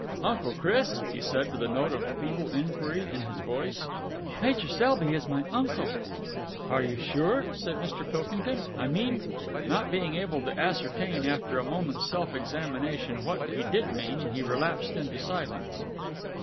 "Uncle Chris?" he said with a note of feeble enquiry in his voice. "Major Selby is my uncle." "Are you sure?" said Mr. Pilkington. "I mean...." Not being able to ascertain, after a moment's self examination, what he did mean, he relapsed into silence.